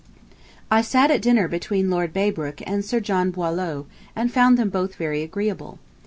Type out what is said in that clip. I sat at dinner between Lord Braybrooke and Sir John Boileau, and found them both very agreeable.